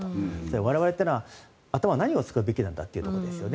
我々というのは頭を何に使うべきなんだということですよね。